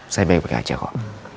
saya baik baik aja kok